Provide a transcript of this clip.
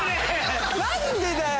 何でだよ！